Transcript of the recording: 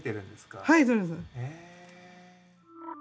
はいそうです。へえ。